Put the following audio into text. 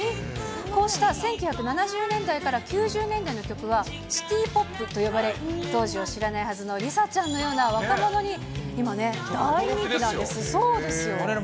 こうした１９７０年代から９０年代の曲は、シティポップと呼ばれ、当時を知らないはずの梨紗ちゃんのような若者に今ね、大人気なんです。